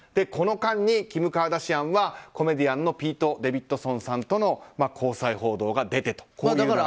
この間に、キム・カーダシアンはコメディアンのピート・デヴィッドソンさんとの交際報道が出たという流れです。